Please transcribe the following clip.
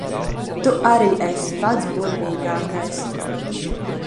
Tu arī esi pats burvīgākais.